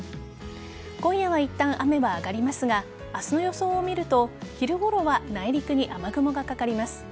今夜はいったん雨は上がりますが明日の予想を見ると昼ごろは内陸に雨雲がかかります。